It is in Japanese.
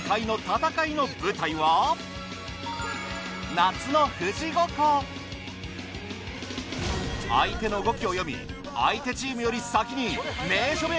夏の相手の動きを読み相手チームより先に。